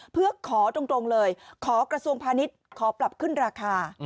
เพื่อขอตรงเลยขอกระทรวงพาณิชย์ขอปรับขึ้นราคา